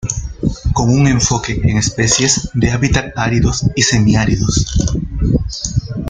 Con un enfoque en especies de hábitat áridos y semiáridos.